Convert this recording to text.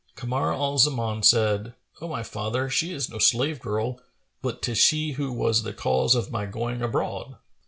"[FN#444] Kamar al Zaman said, "O my father, she is no slave girl; but 'tis she who was the cause of my going abroad."